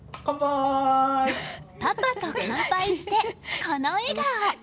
パパと乾杯して、この笑顔！